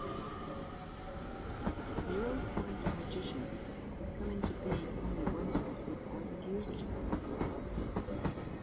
Zero point magicians have come into being only once every thousand years or so.